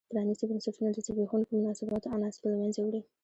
پرانیستي بنسټونه د زبېښونکو مناسباتو عناصر له منځه وړي.